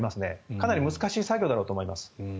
かなり難しい作業だろうと思います。